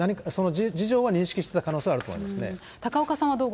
事情は認識していた可能性はあると思いますね。